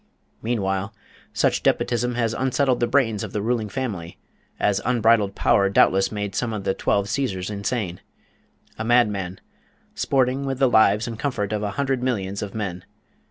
Meanwhile, such despotism has unsettled the brains of the ruling family, as unbridled power doubtless made some of the twelve Cæsars insane; a madman, sporting with the lives and comfort of a hundred millions of men.